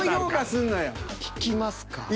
聞きますか？